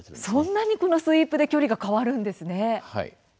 そんなにスイープで距離が変わるんですね。